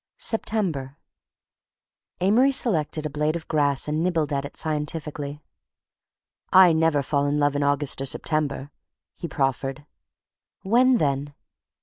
SEPTEMBER Amory selected a blade of grass and nibbled at it scientifically. "I never fall in love in August or September," he proffered. "When then?"